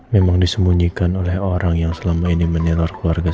memang disembunyikan oleh orang yang selama ini menyenor keluarga